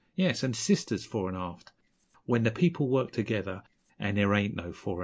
Yes, an' sisters, fore 'n' aft! When the people work together, and there ain't no fore 'n' aft.